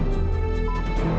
pak aku mau pergi